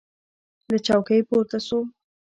له چوکۍ پورته سو.